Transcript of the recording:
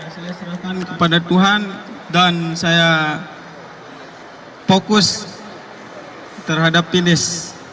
saya serahkan kepada tuhan dan saya fokus terhadap finish